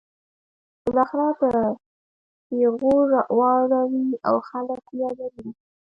بالاخره په پیغور واړوي او خلک یې یادوي.